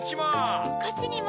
こっちも！